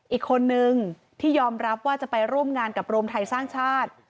อีกคนนึงที่ยอมรับว่าจะไปร่วมงานกับรวมไทยสร้างชาติ